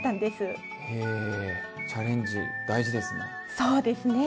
へえチャレンジ大事ですね！